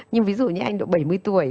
nhưng ví dụ như anh độ bảy mươi tuổi